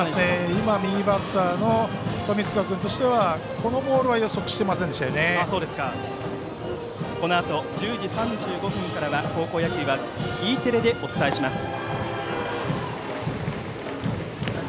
今、右バッターの富塚君としてはこのボールはこのあと１０時３５分からは高校野球はＥテレでお伝えします。